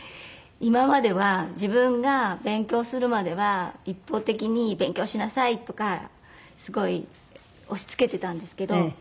今までは自分が勉強するまでは一方的に勉強しなさいとかすごい押しつけてたんですけど。